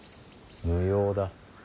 無用だ。